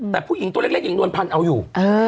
แต่ผู้หญิงตัวเล็กหญิงนวลพันธ์เอาอยู่